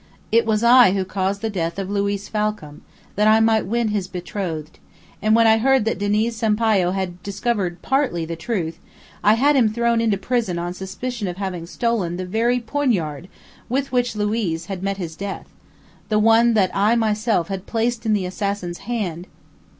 It was I who caused the death of Luiz Falcam, that I might win his betrothed; and when I heard that Diniz Sampayo had discovered partly the truth, I had him thrown into prison on suspicion of having stolen the very poignard with which Luiz had met his death one that I myself had placed in the assassin's hand!